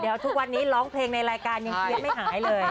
เดี๋ยวทุกวันนี้ร้องเพลงในรายการยังเพี้ยนไม่หายเลย